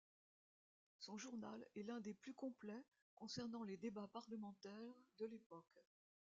Son journal est l'un des plus complets concernant les débats parlementaires de l'époque.